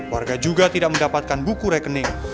warga juga tidak mendapatkan buku rekening